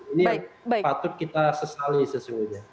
ini yang patut kita sesali sesungguhnya